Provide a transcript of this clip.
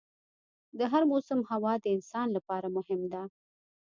د هر موسم هوا د انسان لپاره مهم ده.